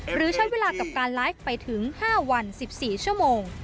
หรือใช้เวลากับการไลฟ์ไปถึง๕วัน๑๔ชั่วโมง